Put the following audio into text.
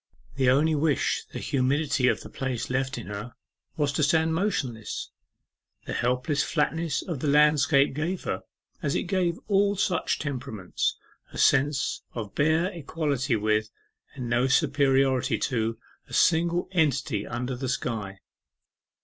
The only wish the humidity of the place left in her was to stand motionless. The helpless flatness of the landscape gave her, as it gives all such temperaments, a sense of bare equality with, and no superiority to, a single entity under the sky.